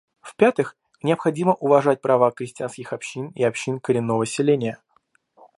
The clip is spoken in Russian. В-пятых, необходимо уважать права крестьянских общин и общин коренного селения.